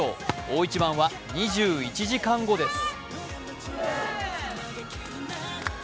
大一番は２１時間後です。